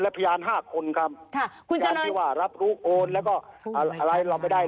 และพยานห้าคนครับค่ะคุณเจริญรับลูกโอนแล้วก็อะไรเราไม่ได้